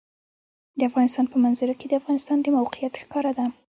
د افغانستان په منظره کې د افغانستان د موقعیت ښکاره ده.